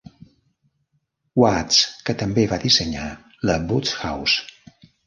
Watts, que també va dissenyar la Booth House.